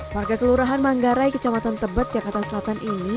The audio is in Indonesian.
warga kelurahan manggarai kecamatan tebet jakarta selatan ini